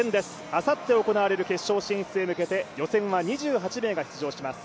あさって行われる決勝進出へ向けて予選は２１人が出場します。